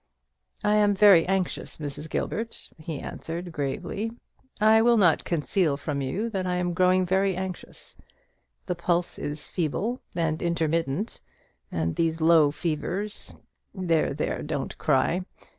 "I am very anxious, Mrs. Gilbert," he answered, gravely. "I will not conceal from you that I am growing very anxious. The pulse is feeble and intermittent; and these low fevers there, there, don't cry.